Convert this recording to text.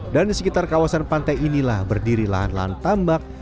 dan di sekitar kawasan pantai inilah berdiri lahan lahan tambak